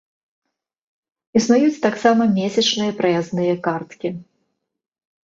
Існуюць таксама месячныя праязныя карткі.